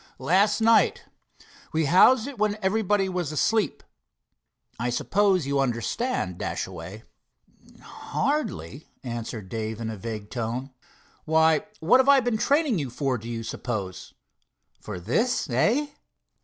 "Last night. We housed it when everybody was asleep. I suppose you understand, Dashaway?" "Hardly," answered Dave in a vague tone. "Why, what have I been training you for, do you suppose?" "For this, eh?"